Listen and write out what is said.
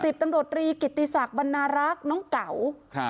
สิบตำโดรตรีกิตตีศักดิ์บรรณารักษ์น้องเก๋าครับ